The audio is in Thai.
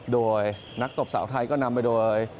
โดยนักตบสาวไทยก็นำไปโดย